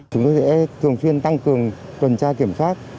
chúng tôi sẽ thường xuyên tăng cường tuần tra kiểm soát